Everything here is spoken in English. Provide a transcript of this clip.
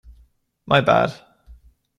My bad!